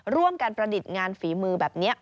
ร่วมกันประดิษฐ์งานฝีมือแบบนี้